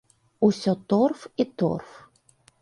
Усё торф і торф.